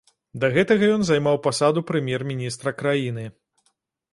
Да гэтага ён займаў пасаду прэм'ер-міністра краіны.